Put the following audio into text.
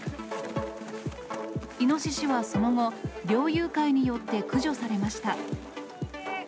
イノシシはその後、猟友会によって駆除されました。